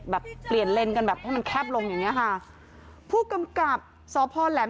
เปลี่ยนเลนส์กันแบบให้มันแคบลงอย่างเงี้ยค่ะผู้กำกับสพแหลม